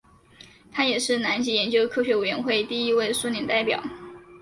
他也是南极研究科学委员会第一位苏联代表。